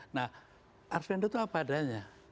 nah arswendo tuh apa adanya